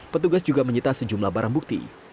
petugas juga menyita sejumlah barang bukti